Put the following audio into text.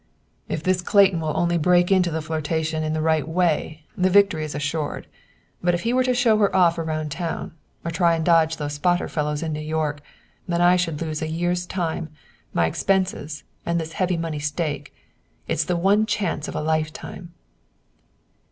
"If this Clayton will only break into the flirtation in the right way, the victory is assured. But, if he were to show her off around town, or try and dodge these spotter fellows in New York, then I should lose a year's time, my expenses, and this heavy money stake. It's the one chance of a life time."